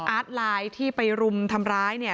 ไลน์ที่ไปรุมทำร้ายเนี่ย